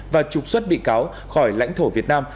và trục xuất bị cáo khỏi lãnh thổ việt nam